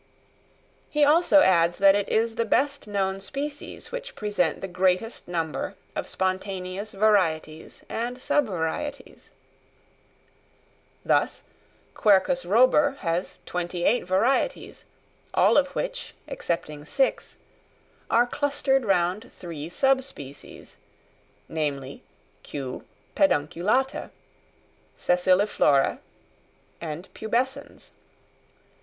He also adds that it is the best known species which present the greatest number of spontaneous varieties and sub varieties. Thus Quercus robur has twenty eight varieties, all of which, excepting six, are clustered round three sub species, namely Q. pedunculata, sessiliflora and pubescens.